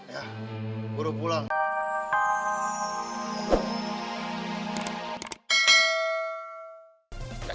ya buruk pulang